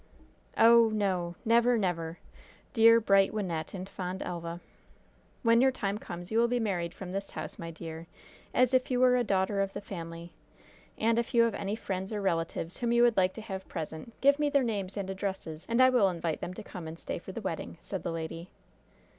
"Oh, no! Never! never! Dear, bright Wynnette and fond Elva!" "When your time comes you will be married from this house, my dear, as if you were a daughter of the family. And if you have any friends or relatives whom you would like to have present, give me their names and addresses, and I will invite them to come and stay for the wedding," said the lady.